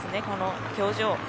この表情。